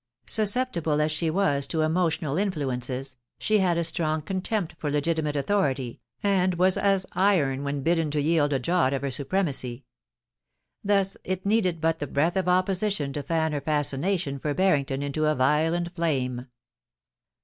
Susceptible as she was to emotional influences, she had a strong contempt for legitimate authority, and was as iron when bidden to 254 POLICY AND PASSION, yield a jot of her supremac) . Thus it needed but the breath of opposition to fan her fascination for Barrington into a violent flame.